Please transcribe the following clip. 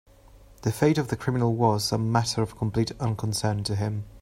The fate of the criminal was a matter of complete unconcern to him.